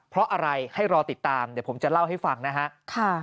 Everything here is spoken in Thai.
เพราะอะไรให้รอติดตามเดี๋ยวผมจะเล่าให้ฟังนะฮะ